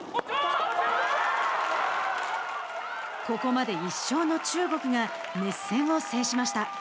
ここまで１勝の中国が熱戦を制しました。